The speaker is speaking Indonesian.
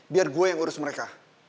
biar gue yang urus mereka